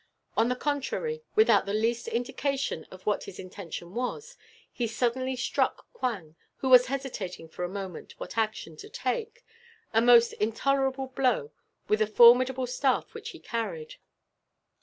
On the contrary, without the least indication of what his intention was, he suddenly struck Quang, who was hesitating for a moment what action to take, a most intolerable blow with a formidable staff which he carried.